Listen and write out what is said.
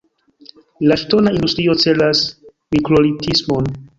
La ŝtona industrio celas mikrolitismon.